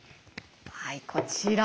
はいこちら。